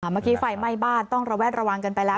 เมื่อกี้ไฟไหม้บ้านต้องระแวดระวังกันไปแล้ว